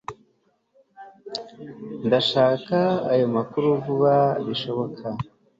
ndashaka ayo makuru vuba bishoboka